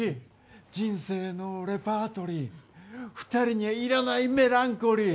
人生のレパートリー２人にはいらないメランコリー